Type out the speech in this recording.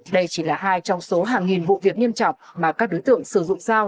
đây chỉ là hai trong số hàng nghìn vụ việc nghiêm trọng mà các đối tượng sử dụng dao